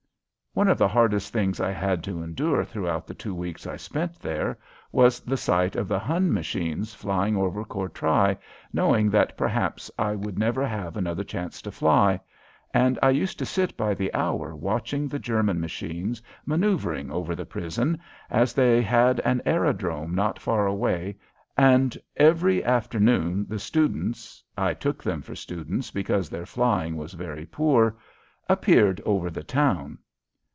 One of the hardest things I had to endure throughout the two weeks I spent there was the sight of the Hun machines flying over Courtrai, knowing that perhaps I never would have another chance to fly, and I used to sit by the hour watching the German machines maneuvering over the prison, as they had an aerodrome not far away, and every afternoon the students I took them for students because their flying was very poor appeared over the town.